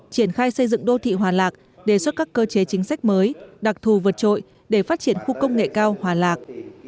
triển khai xây dựng đô thị hòa lạc đề xuất các cơ chế chính sách mới đặc thù vượt trội để phát triển khu công nghệ cao hòa lạc